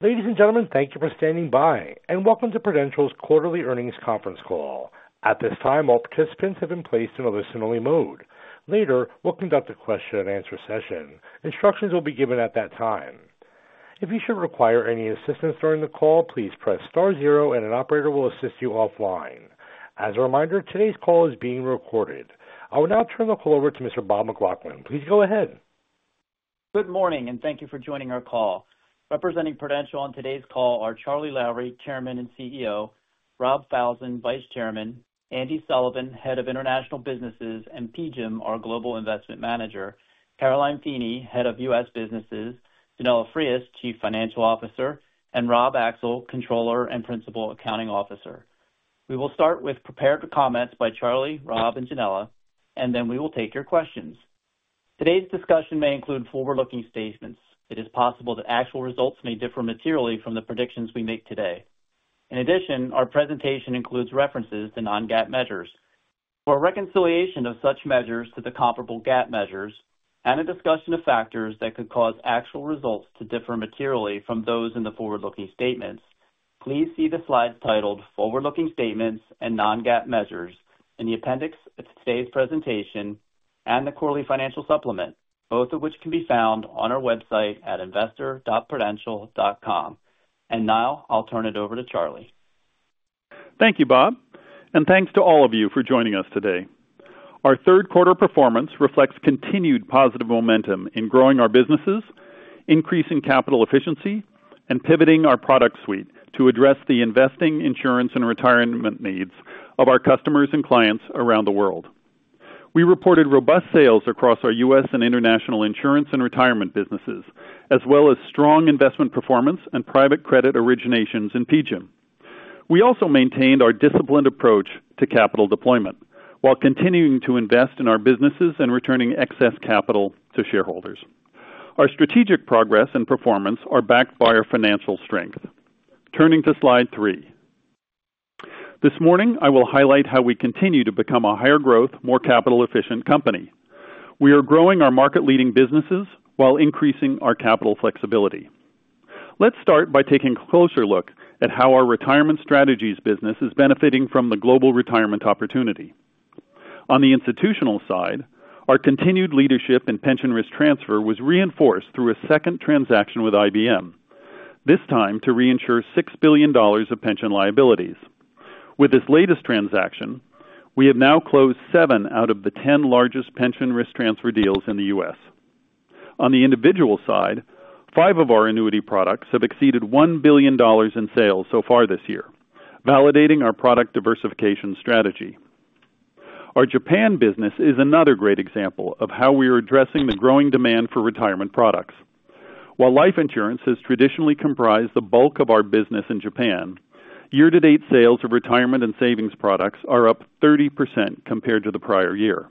Ladies and gentlemen, thank you for standing by, and welcome to Prudential's Quarterly Earnings Conference Call. At this time, all participants have been placed in a listen-only mode. Later, we'll conduct a question-and-answer session. Instructions will be given at that time. If you should require any assistance during the call, please press star zero, and an operator will assist you offline. As a reminder, today's call is being recorded. I will now turn the call over to Mr. Bob McLaughlin. Please go ahead. Good morning, and thank you for joining our call. Representing Prudential on today's call are Charlie Lowrey, Chairman and CEO; Rob Falzon, Vice Chairman; Andy Sullivan, Head of International Businesses; and PGIM, our Global Investment Manager; Caroline Feeney, Head of U.S. Businesses; Yanela Frias, Chief Financial Officer; and Rob Axel, Controller and Principal Accounting Officer. We will start with prepared comments by Charlie, Rob, and Yanela, and then we will take your questions. Today's discussion may include forward-looking statements. It is possible that actual results may differ materially from the predictions we make today. In addition, our presentation includes references to non-GAAP measures. For reconciliation of such measures to the comparable GAAP measures and a discussion of factors that could cause actual results to differ materially from those in the forward-looking statements, please see the slides titled "Forward-looking Statements and Non-GAAP Measures" in the appendix to today's presentation and the quarterly financial supplement, both of which can be found on our website at investor.prudential.com. And now, I'll turn it over to Charlie. Thank you, Bob, and thanks to all of you for joining us today. Our third-quarter performance reflects continued positive momentum in growing our businesses, increasing capital efficiency, and pivoting our product suite to address the investing, insurance, and retirement needs of our customers and clients around the world. We reported robust sales across our U.S. and international insurance and retirement businesses, as well as strong investment performance and private credit originations in PGIM. We also maintained our disciplined approach to capital deployment while continuing to invest in our businesses and returning excess capital to shareholders. Our strategic progress and performance are backed by our financial strength. Turning to slide three. This morning, I will highlight how we continue to become a higher-growth, more capital-efficient company. We are growing our market-leading businesses while increasing our capital flexibility. Let's start by taking a closer look at how our retirement strategies business is benefiting from the global retirement opportunity. On the institutional side, our continued leadership in pension risk transfer was reinforced through a second transaction with IBM, this time to reinsure $6 billion of pension liabilities. With this latest transaction, we have now closed seven out of the 10 largest pension risk transfer deals in the U.S. On the individual side, five of our annuity products have exceeded $1 billion in sales so far this year, validating our product diversification strategy. Our Japan business is another great example of how we are addressing the growing demand for retirement products. While life insurance has traditionally comprised the bulk of our business in Japan, year-to-date sales of retirement and savings products are up 30% compared to the prior year.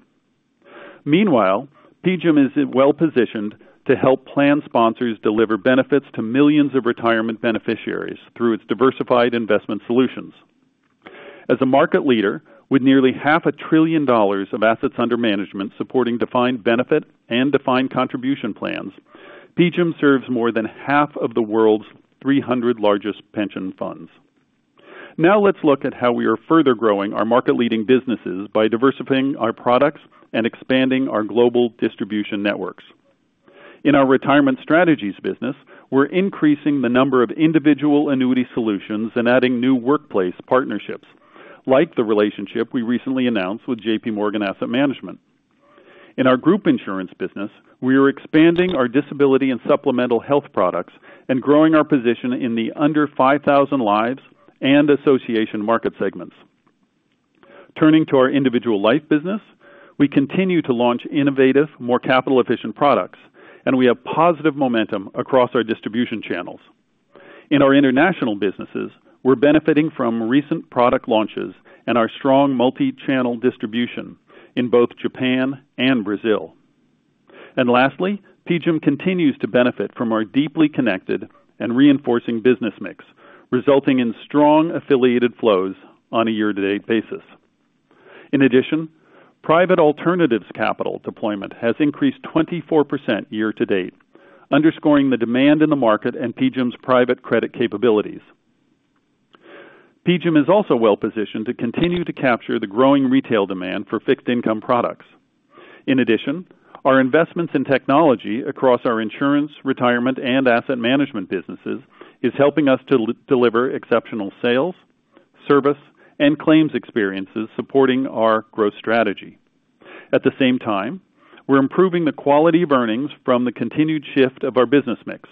Meanwhile, PGIM is well-positioned to help plan sponsors deliver benefits to millions of retirement beneficiaries through its diversified investment solutions. As a market leader with nearly $500 billion of assets under management supporting defined benefit and defined contribution plans, PGIM serves more than half of the world's 300 largest pension funds. Now, let's look at how we are further growing our market-leading businesses by diversifying our products and expanding our global distribution networks. In our retirement strategies business, we're increasing the number of individual annuity solutions and adding new workplace partnerships, like the relationship we recently announced with J.P. Morgan Asset Management. In our group insurance business, we are expanding our disability and supplemental health products and growing our position in the under 5,000 lives and association market segments. Turning to our individual life business, we continue to launch innovative, more capital-efficient products, and we have positive momentum across our distribution channels. In our international businesses, we're benefiting from recent product launches and our strong multi-channel distribution in both Japan and Brazil. And lastly, PGIM continues to benefit from our deeply connected and reinforcing business mix, resulting in strong affiliated flows on a year-to-date basis. In addition, private alternatives capital deployment has increased 24% year-to-date, underscoring the demand in the market and PGIM's private credit capabilities. PGIM is also well-positioned to continue to capture the growing retail demand for fixed-income products. In addition, our investments in technology across our insurance, retirement, and asset management businesses are helping us to deliver exceptional sales, service, and claims experiences supporting our growth strategy. At the same time, we're improving the quality of earnings from the continued shift of our business mix.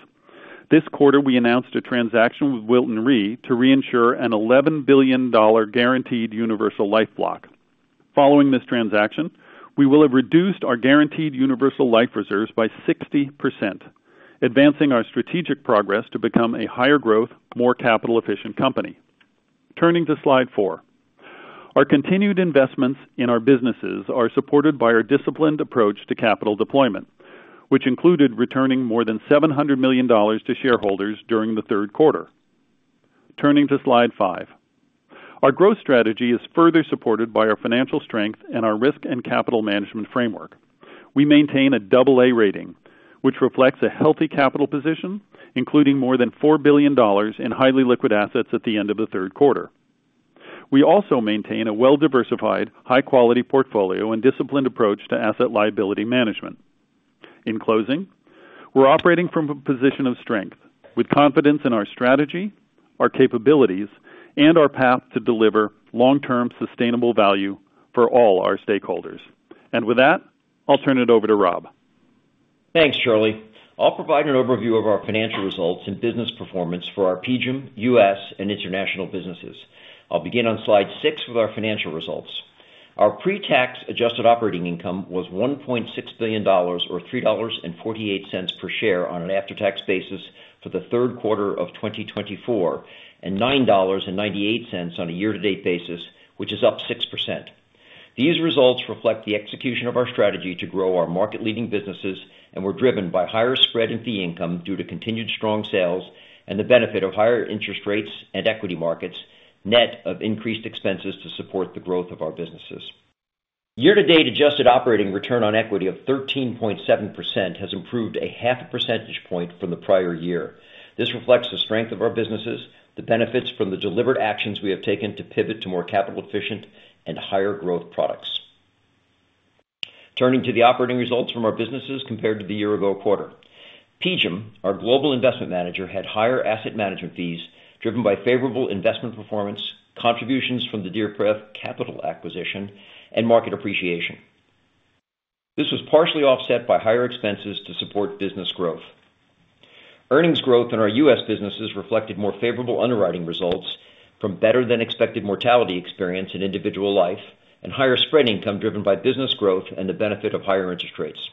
This quarter, we announced a transaction with Wilton Re to reinsure an $11 billion Guaranteed Universal Life block. Following this transaction, we will have reduced our Guaranteed Universal Life reserves by 60%, advancing our strategic progress to become a higher-growth, more capital-efficient company. Turning to slide four, our continued investments in our businesses are supported by our disciplined approach to capital deployment, which included returning more than $700 million to shareholders during the third quarter. Turning to slide five, our growth strategy is further supported by our financial strength and our risk and capital management framework. We maintain a double-A rating, which reflects a healthy capital position, including more than $4 billion in highly liquid assets at the end of the third quarter. We also maintain a well-diversified, high-quality portfolio and disciplined approach to Asset Liability Management. In closing, we're operating from a position of strength with confidence in our strategy, our capabilities, and our path to deliver long-term sustainable value for all our stakeholders. And with that, I'll turn it over to Rob. Thanks, Charlie. I'll provide an overview of our financial results and business performance for our PGIM U.S. and international businesses. I'll begin on slide six with our financial results. Our pre-tax adjusted operating income was $1.6 billion, or $3.48 per share on an after-tax basis for the third quarter of 2024, and $9.98 on a year-to-date basis, which is up 6%. These results reflect the execution of our strategy to grow our market-leading businesses, and we're driven by higher spread and fee income due to continued strong sales and the benefit of higher interest rates and equity markets, net of increased expenses to support the growth of our businesses. Year-to-date adjusted operating return on equity of 13.7% has improved a half a percentage point from the prior year. This reflects the strength of our businesses, the benefits from the delivered actions we have taken to pivot to more capital-efficient and higher-growth products. Turning to the operating results from our businesses compared to the year-ago quarter, PGIM, our global investment manager, had higher asset management fees driven by favorable investment performance, contributions from the Deerpath Capital acquisition, and market appreciation. This was partially offset by higher expenses to support business growth. Earnings growth in our U.S. businesses reflected more favorable underwriting results from better-than-expected mortality experience in individual life and higher spread income driven by business growth and the benefit of higher interest rates.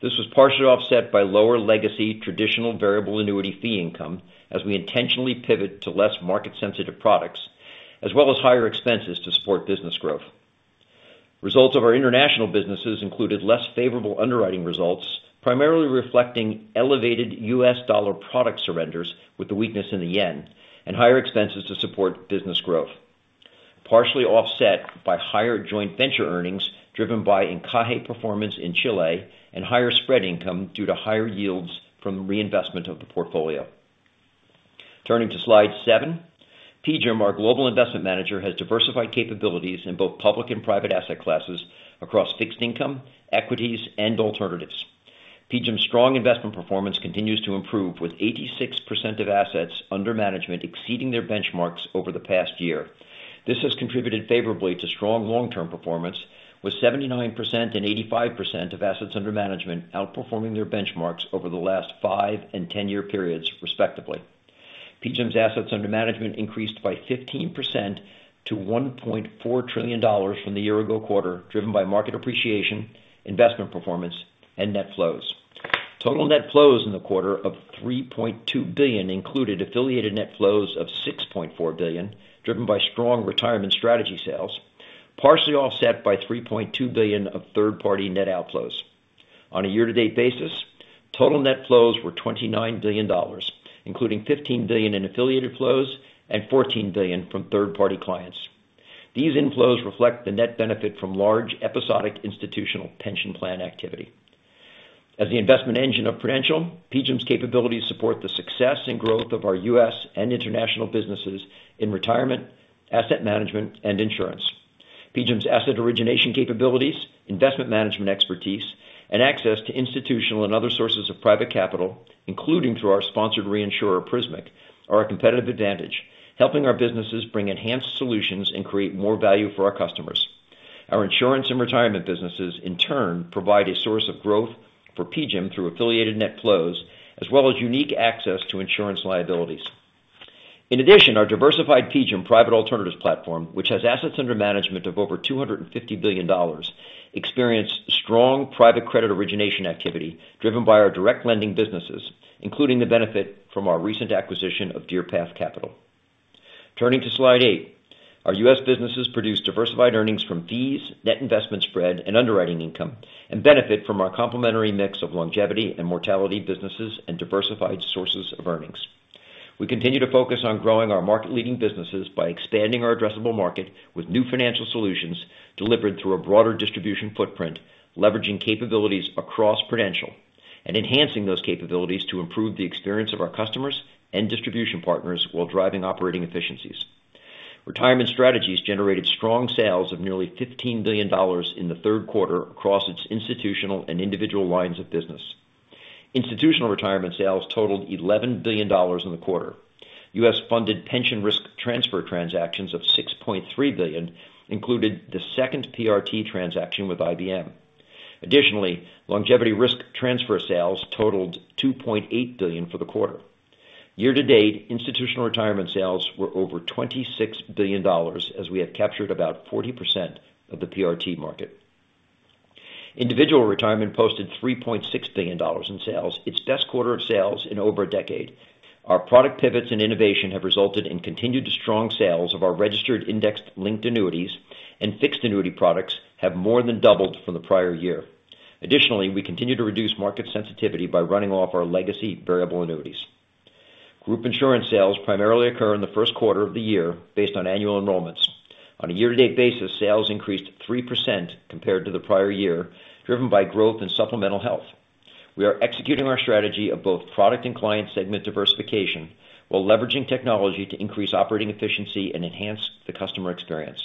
This was partially offset by lower legacy traditional variable annuity fee income as we intentionally pivot to less market-sensitive products, as well as higher expenses to support business growth. Results of our international businesses included less favorable underwriting results, primarily reflecting elevated U.S. Dollar product surrenders with the weakness in the yen and higher expenses to support business growth, partially offset by higher joint venture earnings driven by ILC performance in Chile and higher spread income due to higher yields from reinvestment of the portfolio. Turning to slide seven, PGIM, our global investment manager, has diversified capabilities in both public and private asset classes across fixed income, equities, and alternatives. PGIM's strong investment performance continues to improve with 86% of assets under management exceeding their benchmarks over the past year. This has contributed favorably to strong long-term performance, with 79% and 85% of assets under management outperforming their benchmarks over the last five and ten-year periods, respectively. PGIM's assets under management increased by 15% to $1.4 trillion from the year-ago quarter, driven by market appreciation, investment performance, and net flows. Total net flows in the quarter of $3.2 billion included affiliated net flows of $6.4 billion, driven by strong retirement strategy sales, partially offset by $3.2 billion of third-party net outflows. On a year-to-date basis, total net flows were $29 billion, including $15 billion in affiliated flows and $14 billion from third-party clients. These inflows reflect the net benefit from large episodic institutional pension plan activity. As the investment engine of Prudential, PGIM's capabilities support the success and growth of our U.S. and international businesses in retirement, asset management, and insurance. PGIM's asset origination capabilities, investment management expertise, and access to institutional and other sources of private capital, including through our sponsored reinsurer, Prismic, are a competitive advantage, helping our businesses bring enhanced solutions and create more value for our customers. Our insurance and retirement businesses, in turn, provide a source of growth for PGIM through affiliated net flows, as well as unique access to insurance liabilities. In addition, our diversified PGIM private alternatives platform, which has assets under management of over $250 billion, experienced strong private credit origination activity driven by our direct lending businesses, including the benefit from our recent acquisition of Deerpath Capital. Turning to slide eight, our U.S. businesses produce diversified earnings from fees, net investment spread, and underwriting income, and benefit from our complementary mix of longevity and mortality businesses and diversified sources of earnings. We continue to focus on growing our market-leading businesses by expanding our addressable market with new financial solutions delivered through a broader distribution footprint, leveraging capabilities across Prudential, and enhancing those capabilities to improve the experience of our customers and distribution partners while driving operating efficiencies. Retirement strategies generated strong sales of nearly $15 billion in the third quarter across its institutional and individual lines of business. Institutional retirement sales totaled $11 billion in the quarter. U.S.-funded pension risk transfer transactions of $6.3 billion included the second PRT transaction with IBM. Additionally, longevity risk transfer sales totaled $2.8 billion for the quarter. Year-to-date, institutional retirement sales were over $26 billion, as we have captured about 40% of the PRT market. Individual retirement posted $3.6 billion in sales, its best quarter of sales in over a decade. Our product pivots and innovation have resulted in continued strong sales of our registered index-linked annuities, and fixed annuity products have more than doubled from the prior year. Additionally, we continue to reduce market sensitivity by running off our legacy variable annuities. Group insurance sales primarily occur in the first quarter of the year based on annual enrollments. On a year-to-date basis, sales increased 3% compared to the prior year, driven by growth in supplemental health. We are executing our strategy of both product and client segment diversification while leveraging technology to increase operating efficiency and enhance the customer experience.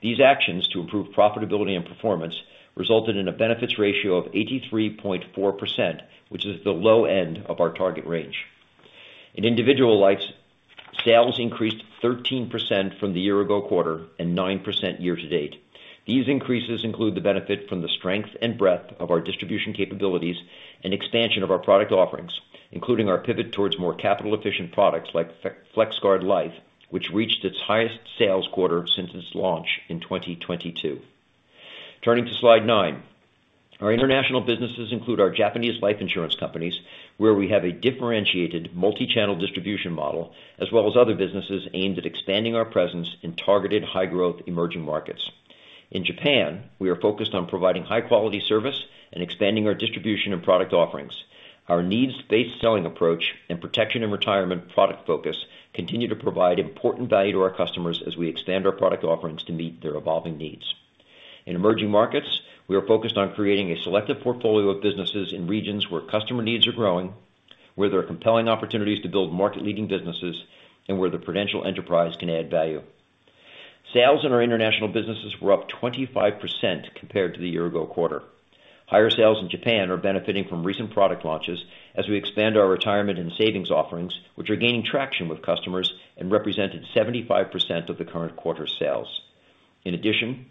These actions to improve profitability and performance resulted in a benefits ratio of 83.4%, which is the low end of our target range. In individual life, sales increased 13% from the year-ago quarter and 9% year-to-date. These increases include the benefit from the strength and breadth of our distribution capabilities and expansion of our product offerings, including our pivot towards more capital-efficient products like FlexGuard Life, which reached its highest sales quarter since its launch in 2022. Turning to slide nine, our international businesses include our Japanese life insurance companies, where we have a differentiated multi-channel distribution model, as well as other businesses aimed at expanding our presence in targeted high-growth emerging markets. In Japan, we are focused on providing high-quality service and expanding our distribution and product offerings. Our needs-based selling approach and protection and retirement product focus continue to provide important value to our customers as we expand our product offerings to meet their evolving needs. In emerging markets, we are focused on creating a selective portfolio of businesses in regions where customer needs are growing, where there are compelling opportunities to build market-leading businesses, and where the Prudential Enterprise can add value. Sales in our international businesses were up 25% compared to the year-ago quarter. Higher sales in Japan are benefiting from recent product launches as we expand our retirement and savings offerings, which are gaining traction with customers and represented 75% of the current quarter's sales. In addition,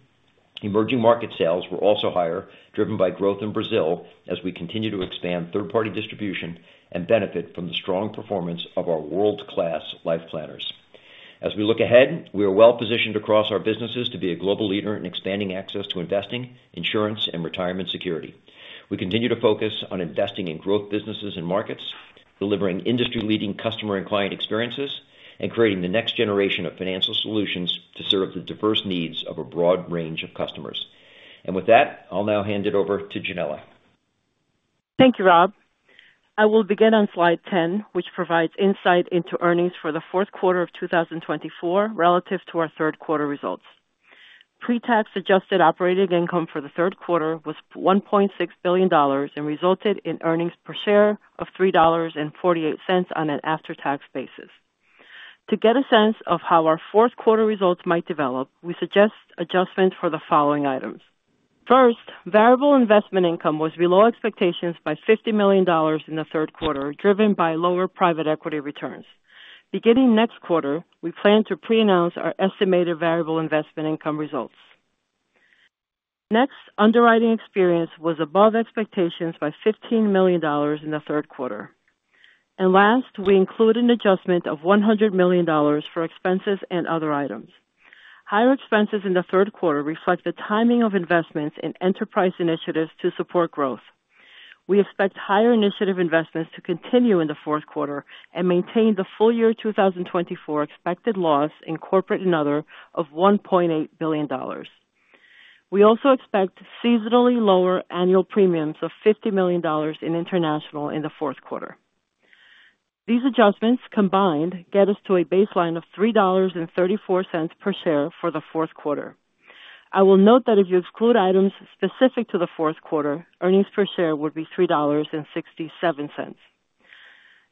emerging market sales were also higher, driven by growth in Brazil as we continue to expand third-party distribution and benefit from the strong performance of our world-class Life Planners. As we look ahead, we are well-positioned across our businesses to be a global leader in expanding access to investing, insurance, and retirement security. We continue to focus on investing in growth businesses and markets, delivering industry-leading customer and client experiences, and creating the next generation of financial solutions to serve the diverse needs of a broad range of customers. And with that, I'll now hand it over to Yanela. Thank you, Rob. I will begin on slide ten, which provides insight into earnings for the fourth quarter of 2024 relative to our third quarter results. Pretax adjusted operating income for the third quarter was $1.6 billion and resulted in earnings per share of $3.48 on an after-tax basis. To get a sense of how our fourth quarter results might develop, we suggest adjustments for the following items. First, variable investment income was below expectations by $50 million in the third quarter, driven by lower private equity returns. Beginning next quarter, we plan to pre-announce our estimated variable investment income results. Next, underwriting experience was above expectations by $15 million in the third quarter. And last, we include an adjustment of $100 million for expenses and other items. Higher expenses in the third quarter reflect the timing of investments in enterprise initiatives to support growth. We expect higher initiative investments to continue in the fourth quarter and maintain the full year 2024 expected loss in corporate and other of $1.8 billion. We also expect seasonally lower annual premiums of $50 million in international in the fourth quarter. These adjustments combined get us to a baseline of $3.34 per share for the fourth quarter. I will note that if you exclude items specific to the fourth quarter, earnings per share would be $3.67.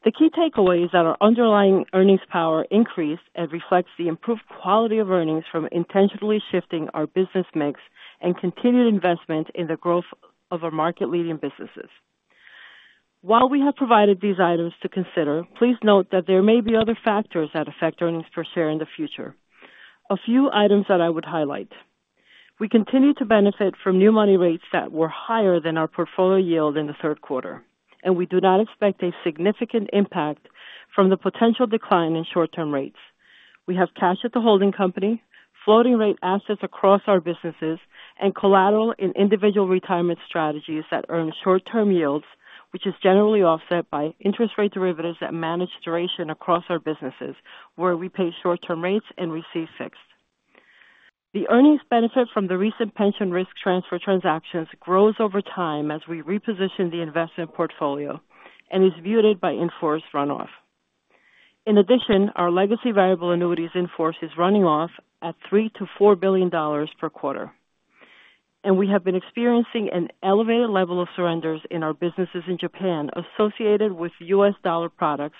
The key takeaway is that our underlying earnings power increased and reflects the improved quality of earnings from intentionally shifting our business mix and continued investment in the growth of our market-leading businesses. While we have provided these items to consider, please note that there may be other factors that affect earnings per share in the future. A few items that I would highlight. We continue to benefit from new money rates that were higher than our portfolio yield in the third quarter, and we do not expect a significant impact from the potential decline in short-term rates. We have cash at the holding company, floating rate assets across our businesses, and collateral in individual retirement strategies that earn short-term yields, which is generally offset by interest rate derivatives that manage duration across our businesses, where we pay short-term rates and receive fixed. The earnings benefit from the recent pension risk transfer transactions grows over time as we reposition the investment portfolio and is muted by in-force runoff. In addition, our legacy variable annuities in-force is running off at $3 billion-$4 billion per quarter. And we have been experiencing an elevated level of surrenders in our businesses in Japan associated with U.S. dollar products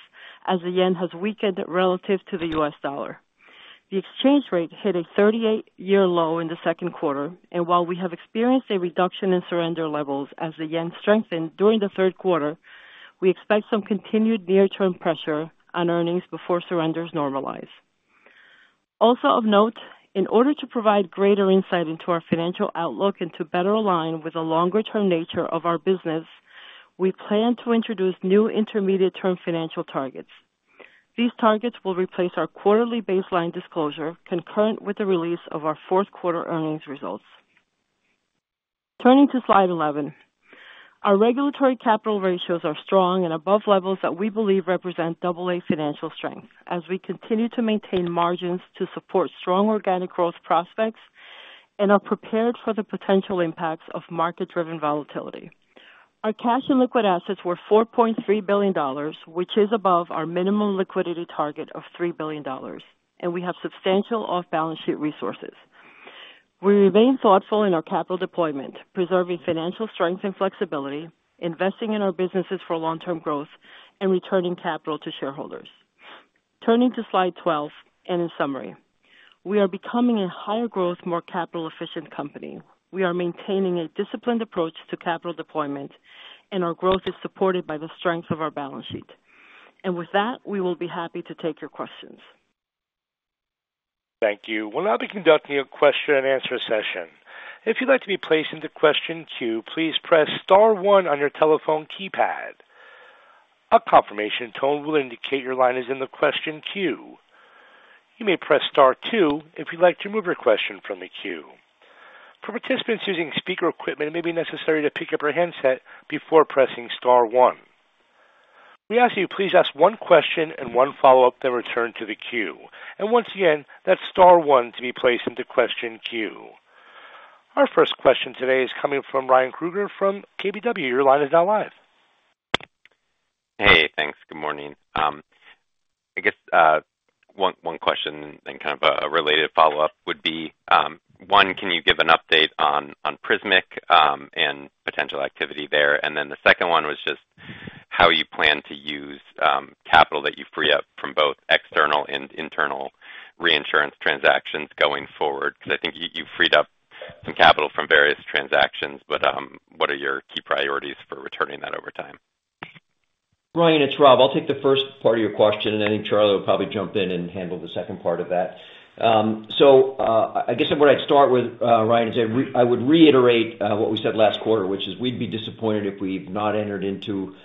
as the yen has weakened relative to the U.S. dollar. dollar. The exchange rate hit a 38-year low in the second quarter, and while we have experienced a reduction in surrender levels as the yen strengthened during the third quarter, we expect some continued near-term pressure on earnings before surrenders normalize. Also of note, in order to provide greater insight into our financial outlook and to better align with the longer-term nature of our business, we plan to introduce new intermediate-term financial targets. These targets will replace our quarterly baseline disclosure concurrent with the release of our fourth quarter earnings results. Turning to slide 11, our regulatory capital ratios are strong and above levels that we believe represent AA financial strength as we continue to maintain margins to support strong organic growth prospects and are prepared for the potential impacts of market-driven volatility. Our cash and liquid assets were $4.3 billion, which is above our minimum liquidity target of $3 billion, and we have substantial off-balance sheet resources. We remain thoughtful in our capital deployment, preserving financial strength and flexibility, investing in our businesses for long-term growth, and returning capital to shareholders. Turning to slide 12 and in summary, we are becoming a higher-growth, more capital-efficient company. We are maintaining a disciplined approach to capital deployment, and our growth is supported by the strength of our balance sheet. And with that, we will be happy to take your questions. Thank you. We'll now be conducting a question-and-answer session. If you'd like to be placed into question queue, please press star one on your telephone keypad. A confirmation tone will indicate your line is in the question queue. You may press star two if you'd like to move your question from the queue. For participants using speaker equipment, it may be necessary to pick up your handset before pressing star one. We ask that you please ask one question and one follow-up, then return to the queue. And once again, that's star one to be placed into question queue. Our first question today is coming from Ryan Krueger from KBW. Your line is now live. Hey, thanks. Good morning. I guess one question and kind of a related follow-up would be, one, can you give an update on Prismic and potential activity there? And then the second one was just how you plan to use capital that you free up from both external and internal reinsurance transactions going forward? Because I think you've freed up some capital from various transactions, but what are your key priorities for returning that over time? Ryan, it's Rob. I'll take the first part of your question, and I think Charlie will probably jump in and handle the second part of that. So I guess what I'd start with, Ryan, is I would reiterate what we said last quarter, which is we'd be disappointed if we've not entered into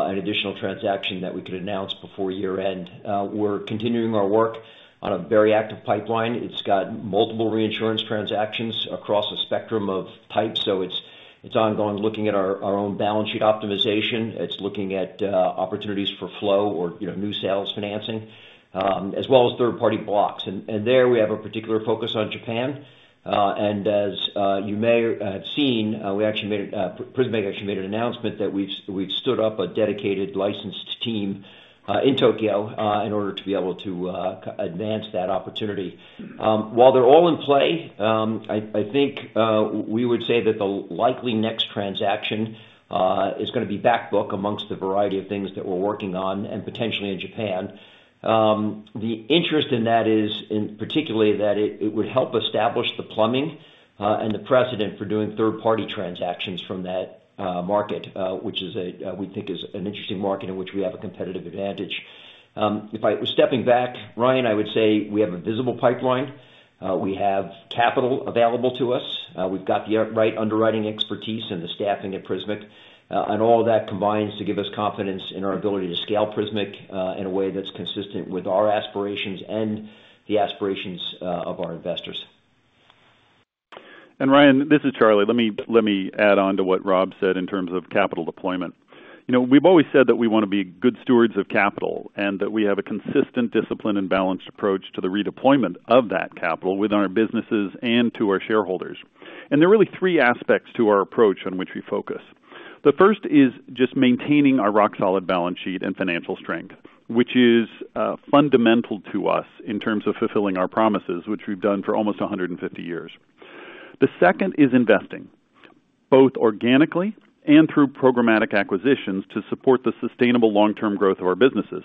an additional transaction that we could announce before year-end. We're continuing our work on a very active pipeline. It's got multiple reinsurance transactions across a spectrum of types, so it's ongoing looking at our own balance sheet optimization. It's looking at opportunities for flow or new sales financing, as well as third-party blocks. And there we have a particular focus on Japan. And as you may have seen, Prismic actually made an announcement that we've stood up a dedicated licensed team in Tokyo in order to be able to advance that opportunity. While they're all in play, I think we would say that the likely next transaction is going to be backbook amongst the variety of things that we're working on and potentially in Japan. The interest in that is, particularly, that it would help establish the plumbing and the precedent for doing third-party transactions from that market, which we think is an interesting market in which we have a competitive advantage. If I was stepping back, Ryan, I would say we have a visible pipeline. We have capital available to us. We've got the right underwriting expertise and the staffing at Prismic. And all of that combines to give us confidence in our ability to scale Prismic in a way that's consistent with our aspirations and the aspirations of our investors. Ryan, this is Charlie. Let me add on to what Rob said in terms of capital deployment. We've always said that we want to be good stewards of capital and that we have a consistent, disciplined, and balanced approach to the redeployment of that capital within our businesses and to our shareholders. There are really three aspects to our approach on which we focus. The first is just maintaining our rock-solid balance sheet and financial strength, which is fundamental to us in terms of fulfilling our promises, which we've done for almost 150 years. The second is investing, both organically and through programmatic acquisitions to support the sustainable long-term growth of our businesses.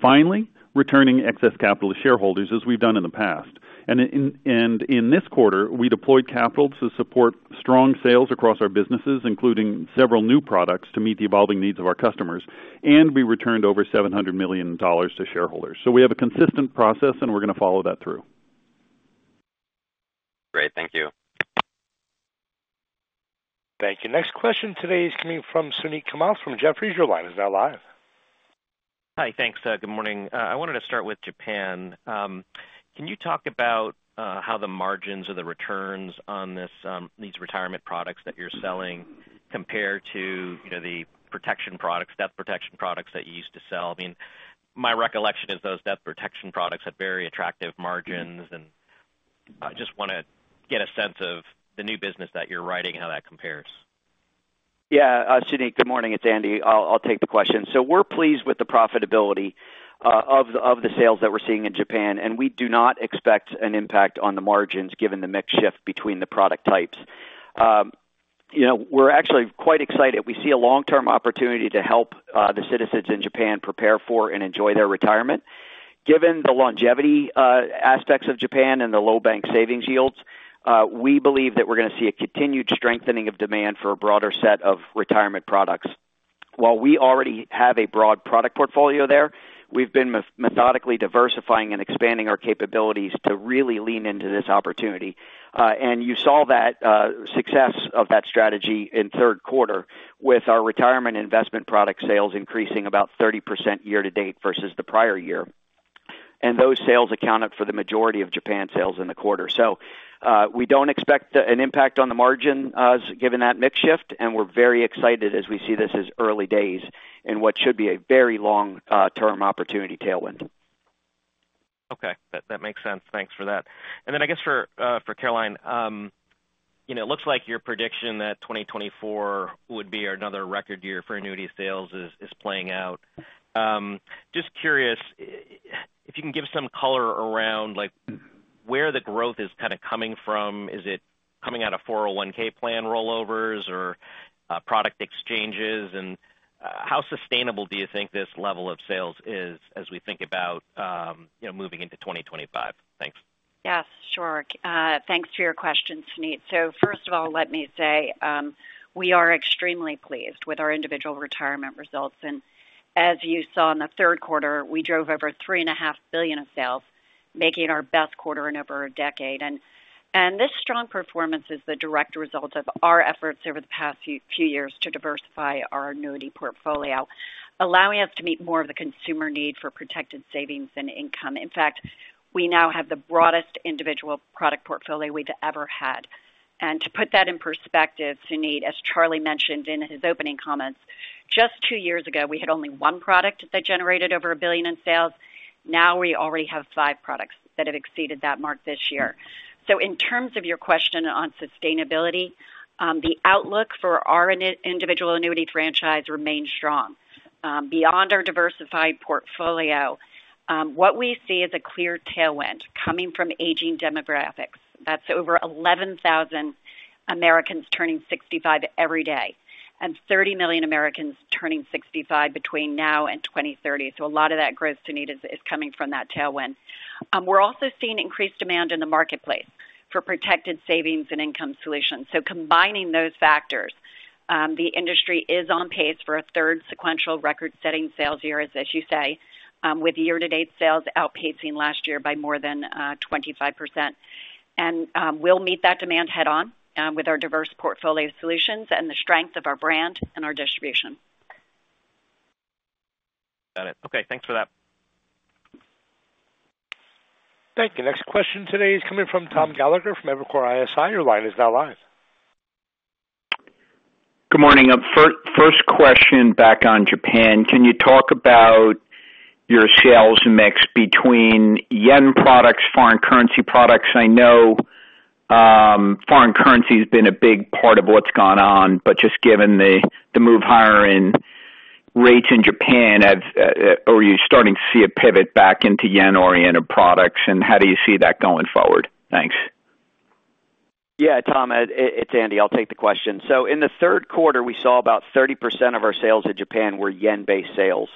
Finally, returning excess capital to shareholders as we've done in the past. And in this quarter, we deployed capital to support strong sales across our businesses, including several new products to meet the evolving needs of our customers. And we returned over $700 million to shareholders. So we have a consistent process, and we're going to follow that through. Great. Thank you. Thank you. Next question today is coming from Suneet Kamath from Jefferies. Your line is now live. Hi. Thanks. Good morning. I wanted to start with Japan. Can you talk about how the margins or the returns on these retirement products that you're selling compare to the death protection products that you used to sell? I mean, my recollection is those death protection products have very attractive margins, and I just want to get a sense of the new business that you're writing and how that compares. Yeah. Suneet, good morning. It's Andy. I'll take the question. So we're pleased with the profitability of the sales that we're seeing in Japan, and we do not expect an impact on the margins given the mixed shift between the product types. We're actually quite excited. We see a long-term opportunity to help the citizens in Japan prepare for and enjoy their retirement. Given the longevity aspects of Japan and the low bank savings yields, we believe that we're going to see a continued strengthening of demand for a broader set of retirement products. While we already have a broad product portfolio there, we've been methodically diversifying and expanding our capabilities to really lean into this opportunity. And you saw that success of that strategy in third quarter with our retirement investment product sales increasing about 30% year-to-date versus the prior year. And those sales accounted for the majority of Japan's sales in the quarter. So we don't expect an impact on the margins given that mixed shift, and we're very excited as we see this as early days in what should be a very long-term opportunity tailwind. Okay. That makes sense. Thanks for that. And then I guess for Caroline, it looks like your prediction that 2024 would be another record year for annuity sales is playing out. Just curious if you can give some color around where the growth is kind of coming from. Is it coming out of 401(k) plan rollovers or product exchanges? And how sustainable do you think this level of sales is as we think about moving into 2025? Thanks. Yes. Sure. Thanks for your question, Suneet. So first of all, let me say we are extremely pleased with our individual retirement results. And as you saw in the third quarter, we drove over $3.5 billion in sales, making it our best quarter in over a decade. And this strong performance is the direct result of our efforts over the past few years to diversify our annuity portfolio, allowing us to meet more of the consumer need for protected savings and income. In fact, we now have the broadest individual product portfolio we've ever had. And to put that in perspective, Suneet, as Charlie mentioned in his opening comments, just two years ago, we had only one product that generated over $1 billion in sales. Now we already have five products that have exceeded that mark this year. So in terms of your question on sustainability, the outlook for our individual annuity franchise remains strong. Beyond our diversified portfolio, what we see is a clear tailwind coming from aging demographics. That's over 11,000 Americans turning 65 years every day and 30 million Americans turning 65 years between now and 2030. So a lot of that growth, Suneet, is coming from that tailwind. We're also seeing increased demand in the marketplace for protected savings and income solutions. So combining those factors, the industry is on pace for a third sequential record-setting sales year, as you say, with year-to-date sales outpacing last year by more than 25%. And we'll meet that demand head-on with our diverse portfolio solutions and the strength of our brand and our distribution. Got it. Okay. Thanks for that. Thank you. Next question today is coming from Tom Gallagher from Evercore ISI. Your line is now live. Good morning. First question back on Japan. Can you talk about your sales mix between yen products, foreign currency products? I know foreign currency has been a big part of what's gone on, but just given the move higher in rates in Japan, are you starting to see a pivot back into yen-oriented products? And how do you see that going forward? Thanks. Yeah, Tom, it's Andy. I'll take the question. So in the third quarter, we saw about 30% of our sales in Japan were yen-based sales.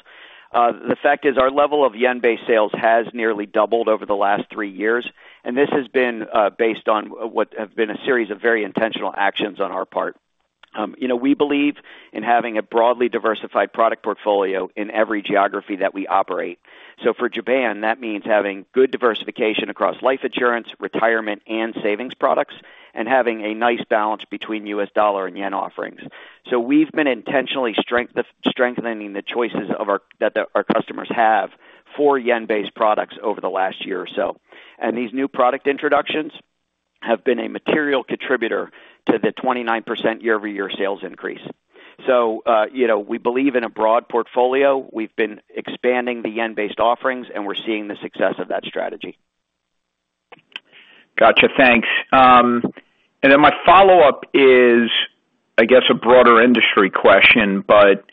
The fact is our level of yen-based sales has nearly doubled over the last three years. And this has been based on what have been a series of very intentional actions on our part. We believe in having a broadly diversified product portfolio in every geography that we operate. So for Japan, that means having good diversification across life insurance, retirement, and savings products, and having a nice balance between U.S. dollar and yen offerings. So we've been intentionally strengthening the choices that our customers have for yen-based products over the last year or so. And these new product introductions have been a material contributor to the 29% year-over-year sales increase. So we believe in a broad portfolio. We've been expanding the yen-based offerings, and we're seeing the success of that strategy. Gotcha. Thanks. And then my follow-up is, I guess, a broader industry question, but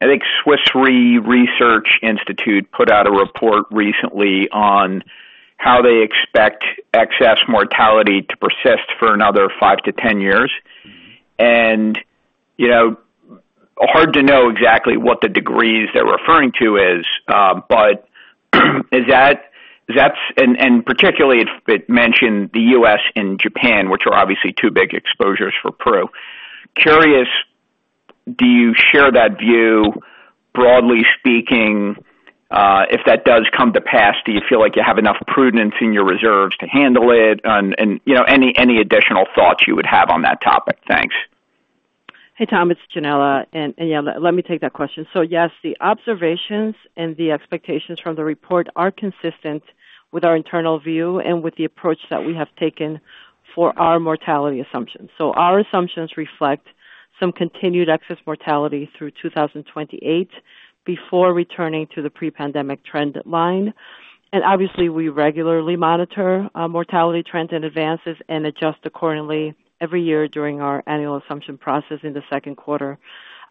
I think Swiss Re Research Institute put out a report recently on how they expect excess mortality to persist for another 5-10 years. It is hard to know exactly what the degree they're referring to is, but is that, and particularly it mentioned the U.S. and Japan, which are obviously two big exposures for Prudential. Curious, do you share that view? Broadly speaking, if that does come to pass, do you feel like you have enough prudence in your reserves to handle it? And any additional thoughts you would have on that topic? Thanks. Hey, Tom, it's Yanela. And yeah, let me take that question. So yes, the observations and the expectations from the report are consistent with our internal view and with the approach that we have taken for our mortality assumptions. So our assumptions reflect some continued excess mortality through 2028 before returning to the pre-pandemic trend line. And obviously, we regularly monitor mortality trends and advances and adjust accordingly every year during our annual assumption process in the second quarter.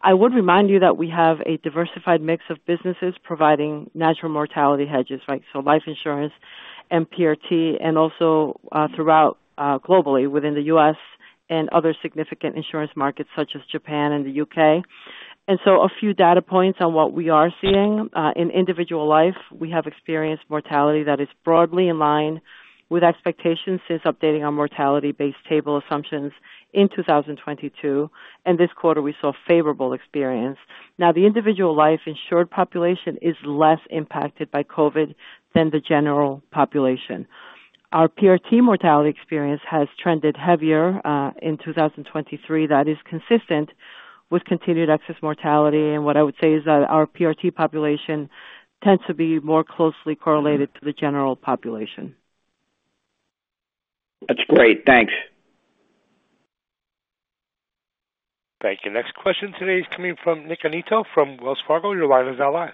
I would remind you that we have a diversified mix of businesses providing natural mortality hedges, right? So life insurance and PRT, and also throughout globally within the U.S. and other significant insurance markets such as Japan and the U.K. And so a few data points on what we are seeing in individual life. We have experienced mortality that is broadly in line with expectations since updating our mortality-based table assumptions in 2022. And this quarter, we saw a favorable experience. Now, the individual life insured population is less impacted by COVID than the general population. Our PRT mortality experience has trended heavier in 2023. That is consistent with continued excess mortality. And what I would say is that our PRT population tends to be more closely correlated to the general population. That's great. Thanks. Thank you. Next question today is coming from Nick Annitto from Wells Fargo. Your line is now live.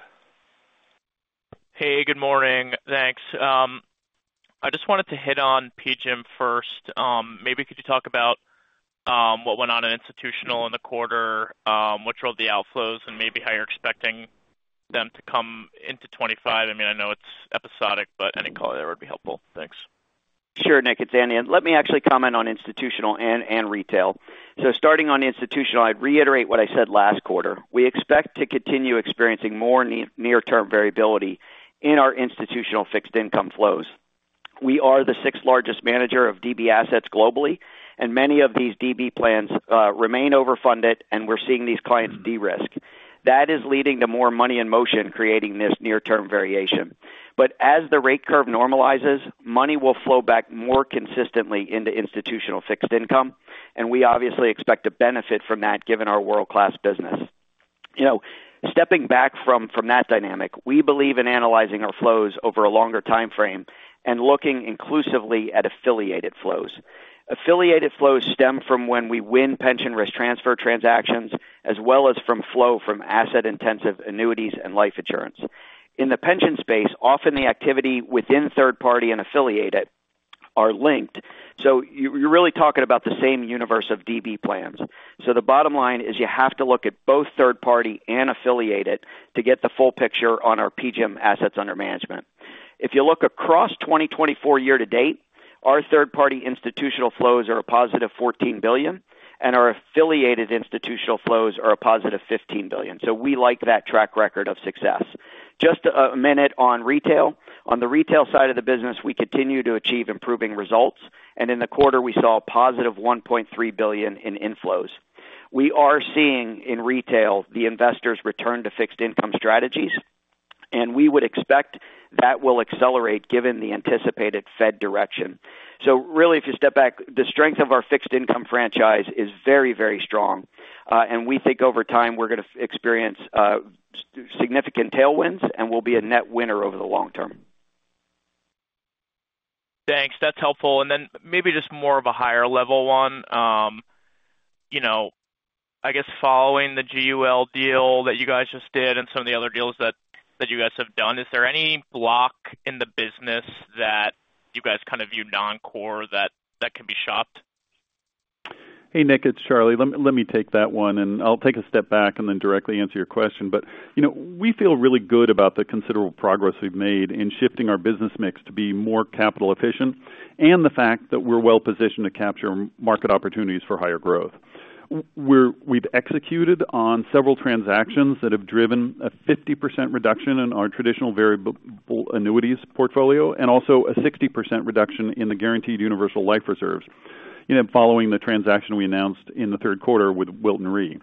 Hey, good morning. Thanks. I just wanted to hit on PGIM first. Maybe could you talk about what went on in institutional in the quarter, what drove the outflows, and maybe how you're expecting them to come into 2025? I mean, I know it's episodic, but any color there would be helpful. Thanks. Sure, Nick. It's Andy. And let me actually comment on institutional and retail. So starting on institutional, I'd reiterate what I said last quarter. We expect to continue experiencing more near-term variability in our institutional fixed income flows. We are the sixth-largest manager of DB assets globally, and many of these DB plans remain overfunded, and we're seeing these clients de-risk. That is leading to more money in motion creating this near-term variation. But as the rate curve normalizes, money will flow back more consistently into institutional fixed income, and we obviously expect to benefit from that given our world-class business. Stepping back from that dynamic, we believe in analyzing our flows over a longer timeframe and looking inclusively at affiliated flows. Affiliated flows stem from when we win pension risk transfer transactions as well as from flow from asset-intensive annuities and life insurance. In the pension space, often the activity within third-party and affiliated are linked. So you're really talking about the same universe of DB plans. So the bottom line is you have to look at both third-party and affiliated to get the full picture on our PGIM assets under management. If you look across 2024 year-to-date, our third-party institutional flows are a positive $14 billion, and our affiliated institutional flows are a positive $15 billion. So we like that track record of success. Just a minute on retail. On the retail side of the business, we continue to achieve improving results. And in the quarter, we saw a positive $1.3 billion in inflows. We are seeing in retail the investors return to fixed income strategies, and we would expect that will accelerate given the anticipated Fed direction. Really, if you step back, the strength of our fixed income franchise is very, very strong. We think over time we're going to experience significant tailwinds, and we'll be a net winner over the long term. Thanks. That's helpful. And then maybe just more of a higher-level one. I guess following the GUL deal that you guys just did and some of the other deals that you guys have done, is there any block in the business that you guys kind of view non-core that can be shopped? Hey, Elyse. It's Charlie. Let me take that one. And I'll take a step back and then directly answer your question. But we feel really good about the considerable progress we've made in shifting our business mix to be more capital-efficient and the fact that we're well-positioned to capture market opportunities for higher growth. We've executed on several transactions that have driven a 50% reduction in our traditional variable annuities portfolio and also a 60% reduction in the guaranteed universal life reserves following the transaction we announced in the third quarter with Wilton Re.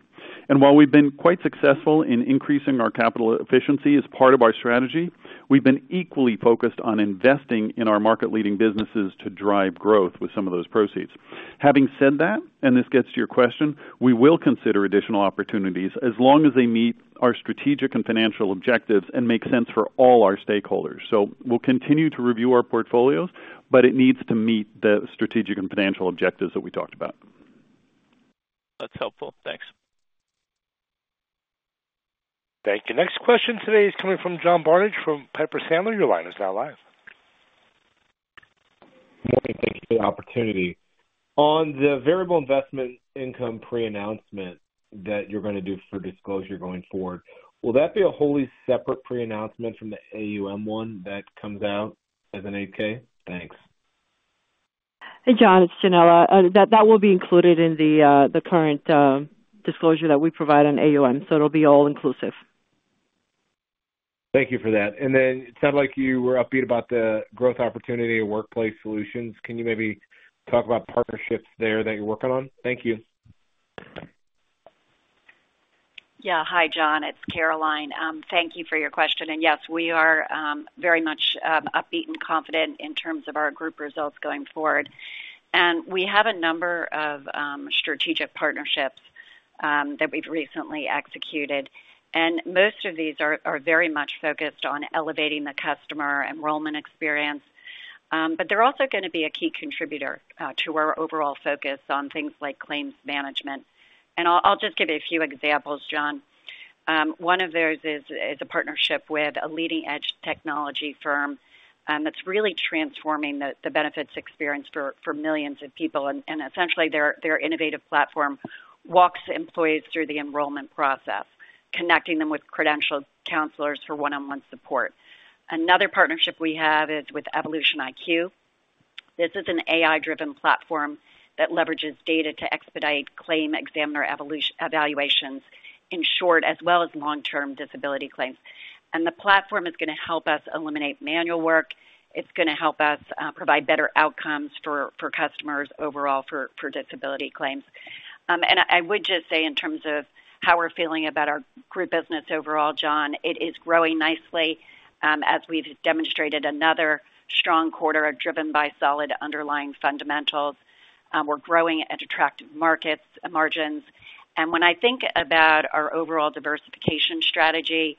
And while we've been quite successful in increasing our capital efficiency as part of our strategy, we've been equally focused on investing in our market-leading businesses to drive growth with some of those proceeds. Having said that, and this gets to your question, we will consider additional opportunities as long as they meet our strategic and financial objectives and make sense for all our stakeholders. So we'll continue to review our portfolios, but it needs to meet the strategic and financial objectives that we talked about. That's helpful. Thanks. Thank you. Next question today is coming from John Barnidge from Piper Sandler. Your line is now live. Good morning. Thank you for the opportunity. On the variable investment income pre-announcement that you're going to do for disclosure going forward, will that be a wholly separate pre-announcement from the AUM one that comes out as an 8K? Thanks. Hey, John. It's Yanela. That will be included in the current disclosure that we provide on AUM. So it'll be all-inclusive. Thank you for that. And then it sounded like you were upbeat about the growth opportunity of workplace solutions. Can you maybe talk about partnerships there that you're working on? Thank you. Yeah. Hi, John. It's Caroline. Thank you for your question. And yes, we are very much upbeat and confident in terms of our group results going forward. And we have a number of strategic partnerships that we've recently executed. And most of these are very much focused on elevating the customer enrollment experience. But they're also going to be a key contributor to our overall focus on things like claims management. And I'll just give you a few examples, John. One of those is a partnership with a leading-edge technology firm that's really transforming the benefits experience for millions of people. And essentially, their innovative platform walks employees through the enrollment process, connecting them with credentialed counselors for one-on-one support. Another partnership we have is with EvolutionIQ. This is an AI-driven platform that leverages data to expedite claim examiner evaluations, in short, as well as long-term disability claims. The platform is going to help us eliminate manual work. It's going to help us provide better outcomes for customers overall for disability claims. I would just say in terms of how we're feeling about our group business overall, John, it is growing nicely as we've demonstrated another strong quarter driven by solid underlying fundamentals. We're growing at attractive market margins. When I think about our overall diversification strategy,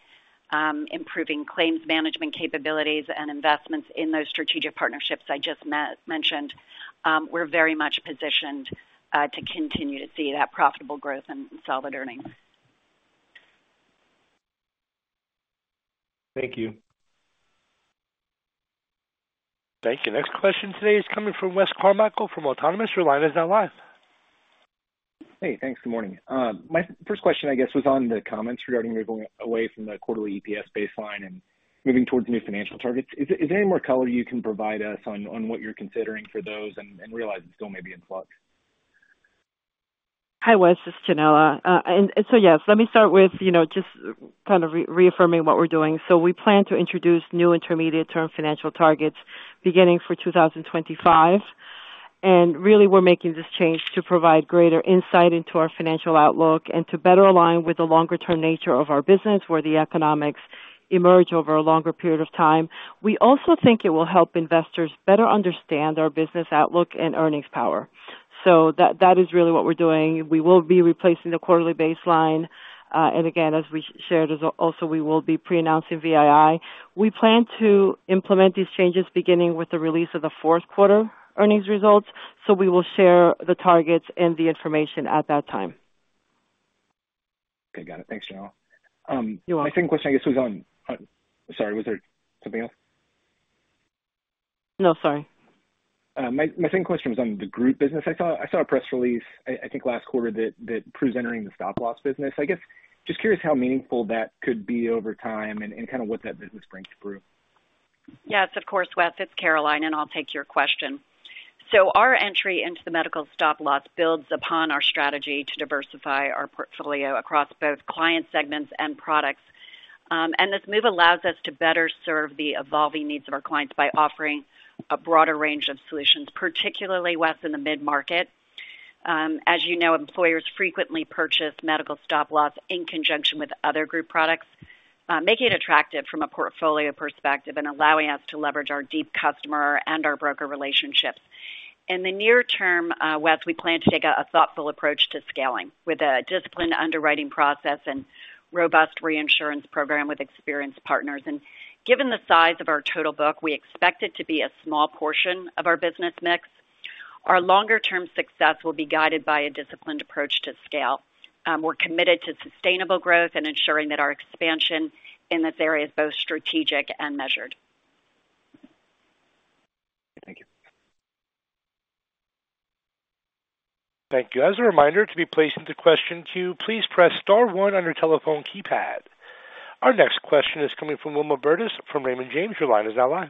improving claims management capabilities, and investments in those strategic partnerships I just mentioned, we're very much positioned to continue to see that profitable growth and solid earnings. Thank you. Thank you. Next question today is coming from Wes Carmichael from Autonomous. Your line is now live. Hey. Thanks. Good morning. My first question, I guess, was on the comments regarding your going away from the quarterly EPS baseline and moving towards new financial targets. Is there any more color you can provide us on what you're considering for those and realize it's still maybe in flux? Hi, Wes. It's Yanela. And so yes, let me start with just kind of reaffirming what we're doing. So we plan to introduce new intermediate-term financial targets beginning for 2025. And really, we're making this change to provide greater insight into our financial outlook and to better align with the longer-term nature of our business where the economics emerge over a longer period of time. We also think it will help investors better understand our business outlook and earnings power. So that is really what we're doing. We will be replacing the quarterly baseline. And again, as we shared, also, we will be pre-announcing VII. We plan to implement these changes beginning with the release of the fourth quarter earnings results. So we will share the targets and the information at that time. Okay. Got it. Thanks, Yanela. You're welcome. My second question, I guess, was on, sorry. Was there something else? No, sorry. My second question was on the group business. I saw a press release, I think last quarter, that presenting the stop-loss business. I guess just curious how meaningful that could be over time and kind of what that business brings through. Yes, of course, Wes. It's Caroline, and I'll take your question. Our entry into the Medical Stop-Loss builds upon our strategy to diversify our portfolio across both client segments and products. This move allows us to better serve the evolving needs of our clients by offering a broader range of solutions, particularly Wes in the mid-market. As you know, employers frequently purchase Medical Stop-Loss in conjunction with other group products, making it attractive from a portfolio perspective and allowing us to leverage our deep customer and our broker relationships. In the near term, Wes, we plan to take a thoughtful approach to scaling with a disciplined underwriting process and robust reinsurance program with experienced partners. Given the size of our total book, we expect it to be a small portion of our business mix. Our longer-term success will be guided by a disciplined approach to scale. We're committed to sustainable growth and ensuring that our expansion in this area is both strategic and measured. Thank you. Thank you. As a reminder, to be placed into question two, please press star one on your telephone keypad. Our next question is coming from Wilma Burdis from Raymond James. Your line is now live.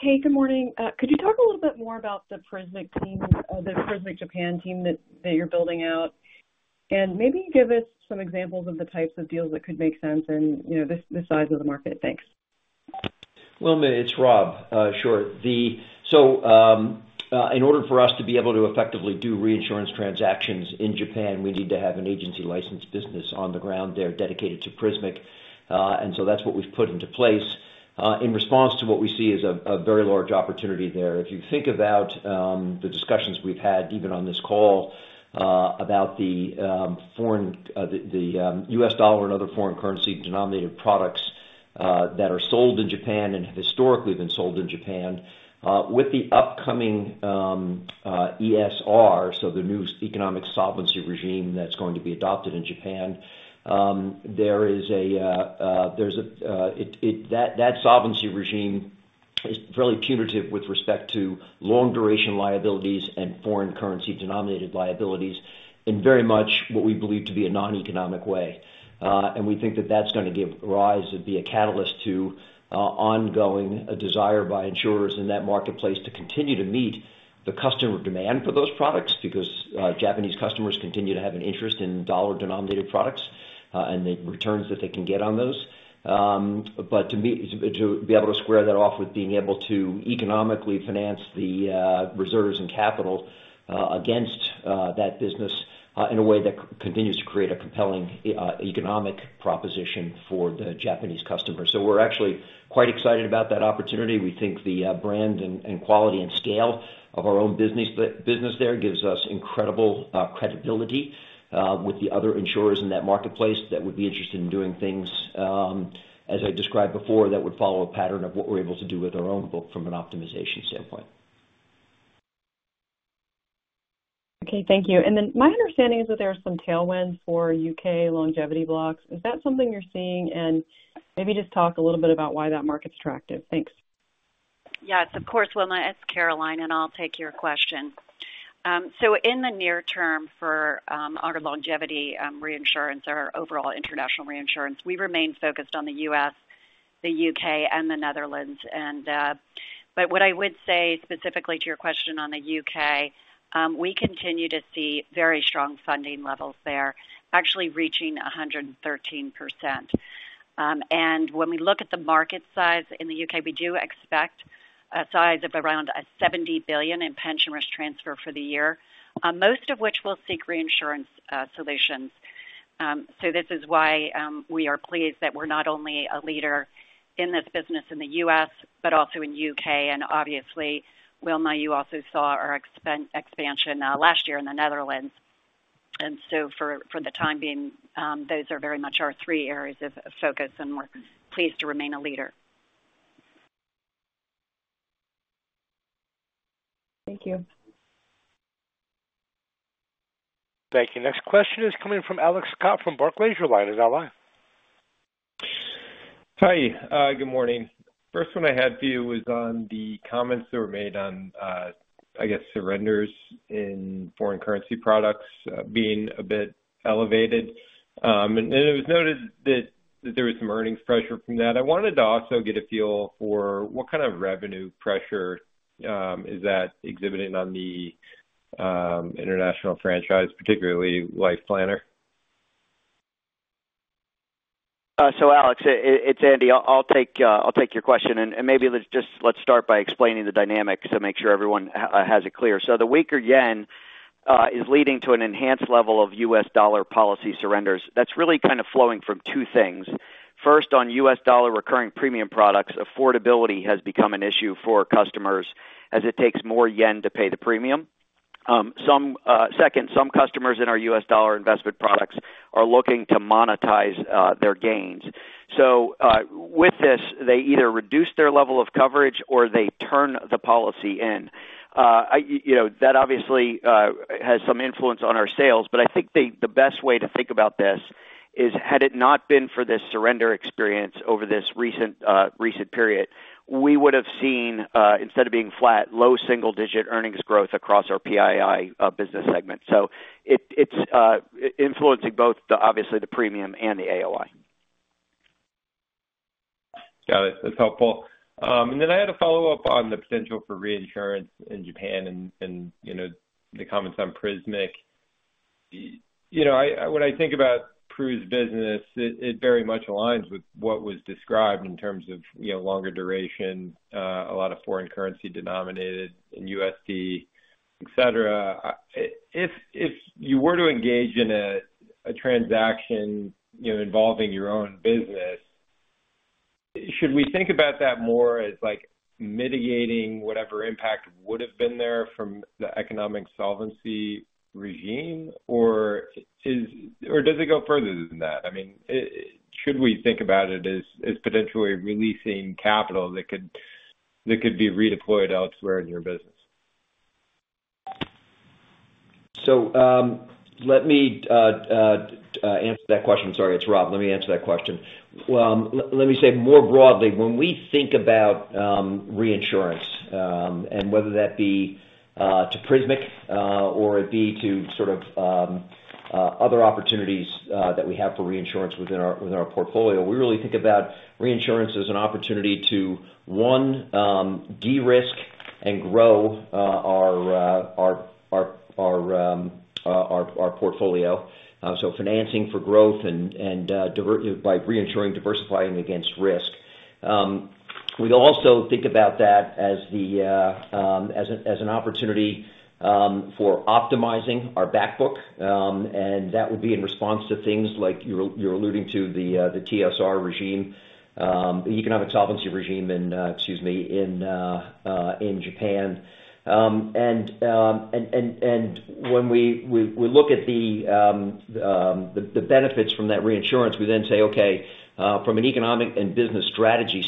Hey, good morning. Could you talk a little bit more about the Prismic Japan team that you're building out? And maybe give us some examples of the types of deals that could make sense and the size of the market. Thanks. Wilma, it's Rob. Sure. So in order for us to be able to effectively do reinsurance transactions in Japan, we need to have an agency-licensed business on the ground there dedicated to Prismic. And so that's what we've put into place in response to what we see as a very large opportunity there. If you think about the discussions we've had, even on this call, about the U.S. dollar and other foreign currency-denominated products that are sold in Japan and have historically been sold in Japan. With the upcoming ESR, so the new economic solvency regime that's going to be adopted in Japan, there is that solvency regime is fairly punitive with respect to long-duration liabilities and foreign currency-denominated liabilities in very much what we believe to be a non-economic way. And we think that that's going to give rise and be a catalyst to ongoing desire by insurers in that marketplace to continue to meet the customer demand for those products because Japanese customers continue to have an interest in dollar-denominated products and the returns that they can get on those. But to be able to square that off with being able to economically finance the reserves and capital against that business in a way that continues to create a compelling economic proposition for the Japanese customers. So we're actually quite excited about that opportunity. We think the brand and quality and scale of our own business there gives us incredible credibility with the other insurers in that marketplace that would be interested in doing things, as I described before, that would follow a pattern of what we're able to do with our own book from an optimization standpoint. Okay. Thank you. And then my understanding is that there are some tailwinds for U.K. longevity blocks. Is that something you're seeing? And maybe just talk a little bit about why that market's attractive. Thanks. Yes, of course. Wilma, it's Caroline, and I'll take your question. So in the near term for our longevity reinsurance, our overall international reinsurance, we remain focused on the U.S., the U.K., and the Netherlands. But what I would say specifically to your question on the U.K., we continue to see very strong funding levels there, actually reaching 113%. And when we look at the market size in the U.K., we do expect a size of around $70 billion in pension risk transfer for the year, most of which will seek reinsurance solutions. So this is why we are pleased that we're not only a leader in this business in the U.S., but also in U.K. And obviously, Wilma, you also saw our expansion last year in the Netherlands. For the time being, those are very much our three areas of focus, and we're pleased to remain a leader. Thank you. Thank you. Next question is coming from Alex Scott from Barclays. Your line is now live. Hi. Good morning. First one I had for you was on the comments that were made on, I guess, surrenders in foreign currency products being a bit elevated. And it was noted that there was some earnings pressure from that. I wanted to also get a feel for what kind of revenue pressure is that exhibiting on the international franchise, particularly Life Planner? Alex, it's Andy. I'll take your question. And maybe just let's start by explaining the dynamic to make sure everyone has it clear. The weaker yen is leading to an enhanced level of U.S. dollar policy surrenders. That's really kind of flowing from two things. First, on U.S. dollar recurring premium products, affordability has become an issue for customers as it takes more yen to pay the premium. Second, some customers in our U.S. dollar investment products are looking to monetize their gains. So with this, they either reduce their level of coverage or they turn the policy in. That obviously has some influence on our sales. But I think the best way to think about this is, had it not been for this surrender experience over this recent period, we would have seen, instead of being flat, low single-digit earnings growth across our PII business segment. It's influencing both, obviously, the premium and the AOI. Got it. That's helpful. And then I had a follow-up on the potential for reinsurance in Japan and the comments on Prismic. When I think about Pru's business, it very much aligns with what was described in terms of longer duration, a lot of foreign currency-denominated in USD, etc. If you were to engage in a transaction involving your own business, should we think about that more as mitigating whatever impact would have been there from the economic solvency regime? Or does it go further than that? I mean, should we think about it as potentially releasing capital that could be redeployed elsewhere in your business? So let me answer that question. Sorry, it's Rob. Let me answer that question. Let me say more broadly, when we think about reinsurance and whether that be to Prismic or it be to sort of other opportunities that we have for reinsurance within our portfolio, we really think about reinsurance as an opportunity to, one, de-risk and grow our portfolio. So financing for growth and by reinsuring, diversifying against risk. We also think about that as an opportunity for optimizing our backbook. And that would be in response to things like you're alluding to the ESR regime, the economic solvency regime in, excuse me, in Japan. And when we look at the benefits from that reinsurance, we then say, "Okay, from an economic and business strategy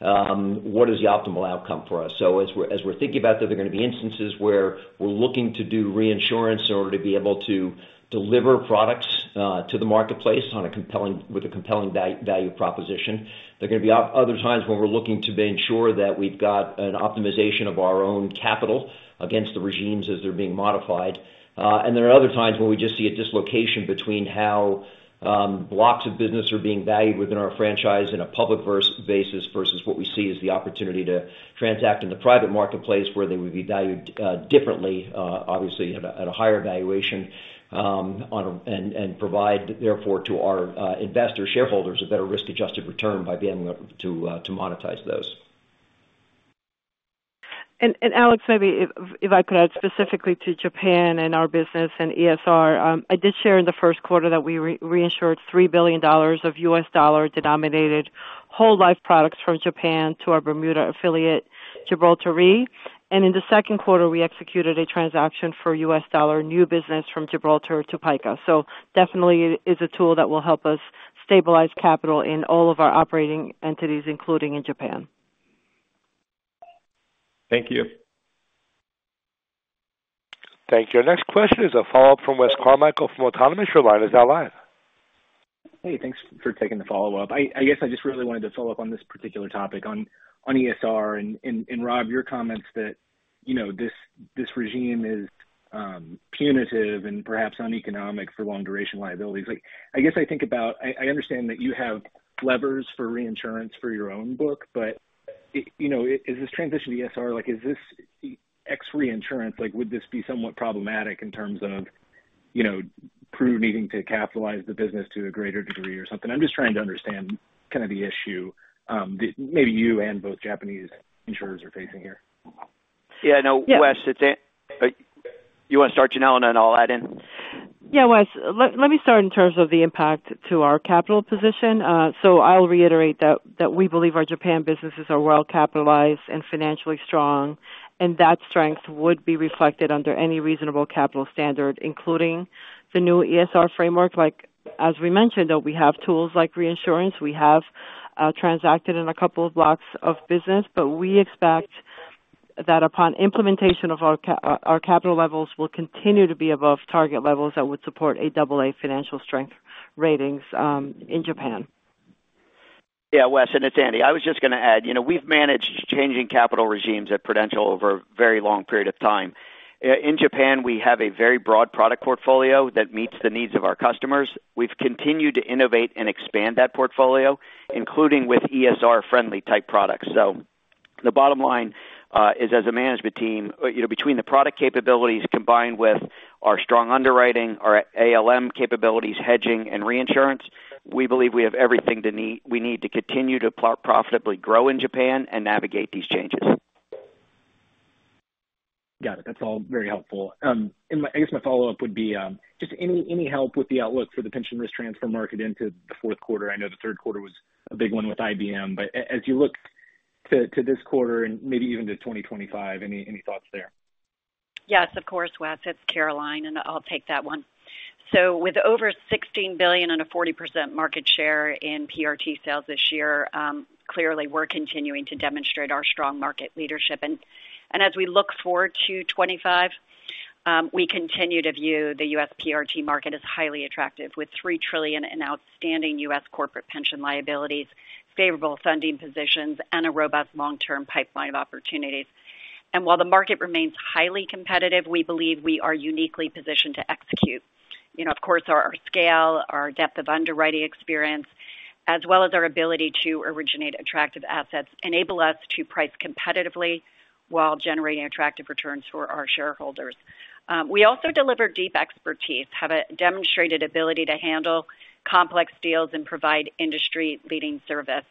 standpoint, what is the optimal outcome for us?" So as we're thinking about that, there are going to be instances where we're looking to do reinsurance in order to be able to deliver products to the marketplace with a compelling value proposition. There are going to be other times when we're looking to ensure that we've got an optimization of our own capital against the regimes as they're being modified. And there are other times when we just see a dislocation between how blocks of business are being valued within our franchise in a public basis versus what we see as the opportunity to transact in the private marketplace where they would be valued differently, obviously at a higher valuation, and provide, therefore, to our investor shareholders a better risk-adjusted return by being able to monetize those. Alex, maybe if I could add specifically to Japan and our business and ESR, I did share in the first quarter that we reinsured $3 billion of U.S. dollar-denominated whole life products from Japan to our Bermuda affiliate, Gibraltar Re. In the second quarter, we executed a transaction for U.S. dollar new business from Gibraltar to PICA. So definitely is a tool that will help us stabilize capital in all of our operating entities, including in Japan. Thank you. Thank you. Our next question is a follow-up from Wes Carmichael from Autonomous Research. Is that live? Hey, thanks for taking the follow-up. I guess I just really wanted to follow up on this particular topic on ESR. And Rob, your comments that this regime is punitive and perhaps uneconomic for long-duration liabilities. I guess I think about. I understand that you have levers for reinsurance for your own book, but is this transition to ESR, is this ex-reinsurance, would this be somewhat problematic in terms of Pru needing to capitalize the business to a greater degree or something? I'm just trying to understand kind of the issue that maybe you and both Japanese insurers are facing here. Yeah. No, Wes, you want to start, Yanela, and then I'll add in. Yeah, Wes. Let me start in terms of the impact to our capital position. So I'll reiterate that we believe our Japan businesses are well capitalized and financially strong, and that strength would be reflected under any reasonable capital standard, including the new ESR framework. As we mentioned, we have tools like reinsurance. We have transacted in a couple of blocks of business, but we expect that upon implementation of our capital levels, we'll continue to be above target levels that would support AAA financial strength ratings in Japan. Yeah, Wes, and it's Andy. I was just going to add, we've managed changing capital regimes at Prudential over a very long period of time. In Japan, we have a very broad product portfolio that meets the needs of our customers. We've continued to innovate and expand that portfolio, including with ESR-friendly type products. So the bottom line is, as a management team, between the product capabilities combined with our strong underwriting, our ALM capabilities, hedging, and reinsurance, we believe we have everything we need to continue to profitably grow in Japan and navigate these changes. Got it. That's all very helpful. I guess my follow-up would be just any help with the outlook for the pension risk transfer market into the fourth quarter. I know the third quarter was a big one with IBM. But as you look to this quarter and maybe even to 2025, any thoughts there? Yes, of course, Wes. It's Caroline, and I'll take that one. So with over $16 billion and a 40% market share in PRT sales this year, clearly, we're continuing to demonstrate our strong market leadership. And as we look forward to 2025, we continue to view the U.S. PRT market as highly attractive, with $3 trillion in outstanding U.S. corporate pension liabilities, favorable funding positions, and a robust long-term pipeline of opportunities. And while the market remains highly competitive, we believe we are uniquely positioned to execute. Of course, our scale, our depth of underwriting experience, as well as our ability to originate attractive assets, enable us to price competitively while generating attractive returns for our shareholders. We also deliver deep expertise, have a demonstrated ability to handle complex deals, and provide industry-leading service.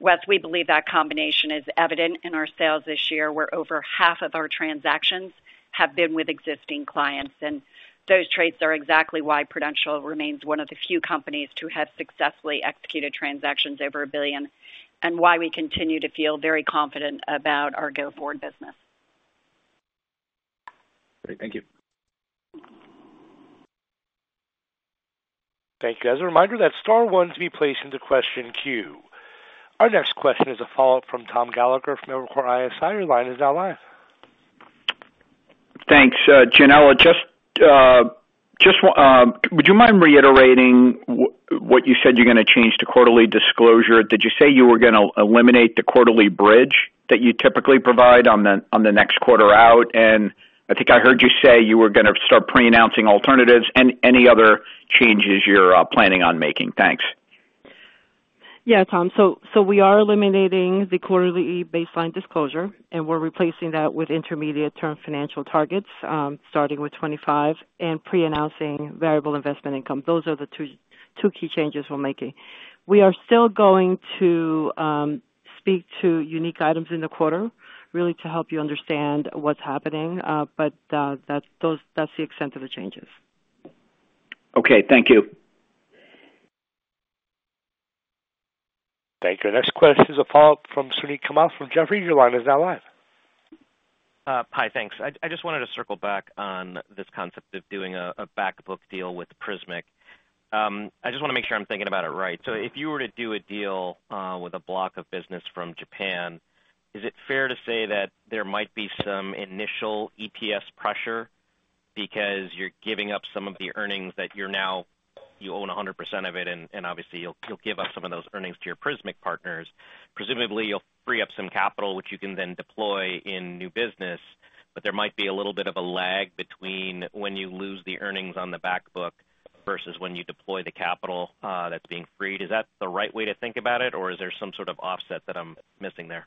Wes, we believe that combination is evident in our sales this year, where over half of our transactions have been with existing clients. Those traits are exactly why Prudential remains one of the few companies to have successfully executed transactions over $1 billion, and why we continue to feel very confident about our go-forward business. Great. Thank you. Thank you. As a reminder, that star one is being placed into question queue. Our next question is a follow-up from Tom Gallagher from Evercore ISI. Your line is now live. Thanks. Yanela, would you mind reiterating what you said you're going to change to quarterly disclosure? Did you say you were going to eliminate the quarterly bridge that you typically provide on the next quarter out? And I think I heard you say you were going to start pre-announcing alternatives and any other changes you're planning on making. Thanks. Yeah, Tom. So we are eliminating the quarterly baseline disclosure, and we're replacing that with intermediate-term financial targets starting with 2025 and pre-announcing variable investment income. Those are the two key changes we're making. We are still going to speak to unique items in the quarter, really to help you understand what's happening. But that's the extent of the changes. Okay. Thank you. Thank you. Our next question is a follow-up from Suneet Kamath from Jefferies. Your line is now live. Hi, thanks. I just wanted to circle back on this concept of doing a backbook deal with Prismic. I just want to make sure I'm thinking about it right. So if you were to do a deal with a block of business from Japan, is it fair to say that there might be some initial EPS pressure because you're giving up some of the earnings that you own 100% of it, and obviously, you'll give up some of those earnings to your Prismic partners? Presumably, you'll free up some capital, which you can then deploy in new business, but there might be a little bit of a lag between when you lose the earnings on the backbook versus when you deploy the capital that's being freed. Is that the right way to think about it, or is there some sort of offset that I'm missing there?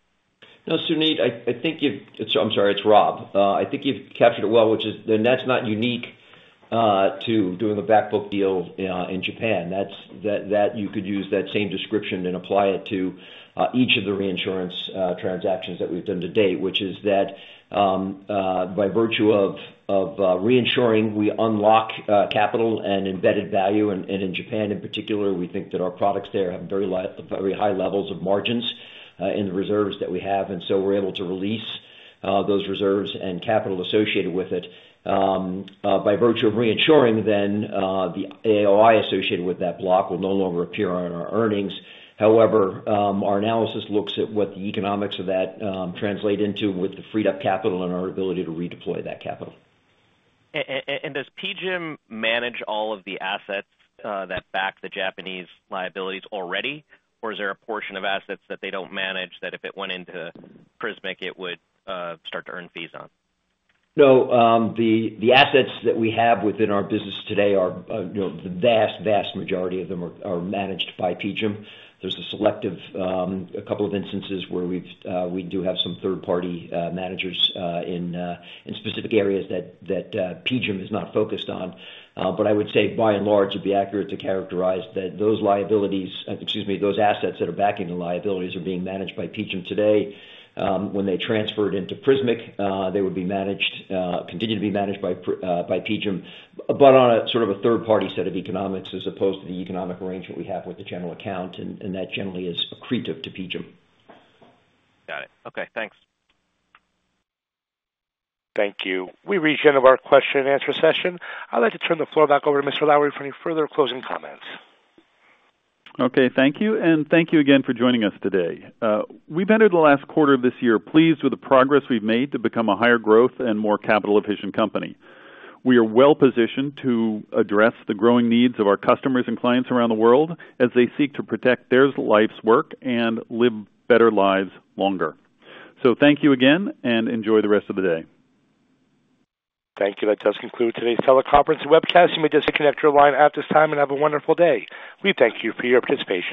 No, Suneet, I think you've. I'm sorry, it's Rob. I think you've captured it well, which is that that's not unique to doing a backbook deal in Japan. You could use that same description and apply it to each of the reinsurance transactions that we've done to date, which is that by virtue of reinsuring, we unlock capital and embedded value. And in Japan, in particular, we think that our products there have very high levels of margins in the reserves that we have. And so we're able to release those reserves and capital associated with it. By virtue of reinsuring, then the AOI associated with that block will no longer appear on our earnings. However, our analysis looks at what the economics of that translate into with the freed-up capital and our ability to redeploy that capital. Does PGIM manage all of the assets that back the Japanese liabilities already, or is there a portion of assets that they don't manage that if it went into Prismic, it would start to earn fees on? No. The assets that we have within our business today, the vast, vast majority of them are managed by PGIM. There's a selective couple of instances where we do have some third-party managers in specific areas that PGIM is not focused on. But I would say, by and large, it'd be accurate to characterize that those liabilities, excuse me, those assets that are backing the liabilities are being managed by PGIM today. When they transferred into Prismic, they would continue to be managed by PGIM, but on a sort of a third-party set of economics as opposed to the economic arrangement we have with the general account. And that generally is accretive to PGIM. Got it. Okay. Thanks. Thank you. We've reached the end of our question-and-answer session. I'd like to turn the floor back over to Mr. Lowrey for any further closing comments. Okay. Thank you. And thank you again for joining us today. We've entered the last quarter of this year, pleased with the progress we've made to become a higher growth and more capital-efficient company. We are well positioned to address the growing needs of our customers and clients around the world as they seek to protect their lives' work and live better lives longer. So thank you again, and enjoy the rest of the day. Thank you. That does conclude today's teleconference and webcast. You may disconnect your line at this time and have a wonderful day. We thank you for your participation.